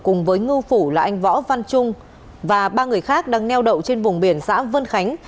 cùng với ngư phủ là anh võ văn trung và ba người khác đang neo đậu trên vùng biển xã vân khánh